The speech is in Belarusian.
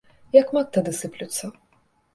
Як мак тады сыплюцца.